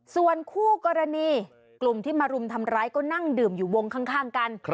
ส่วนคู่กรณีกลุ่มที่มารุมทำร้ายก็นั่งดื่มอยู่วงข้างกัน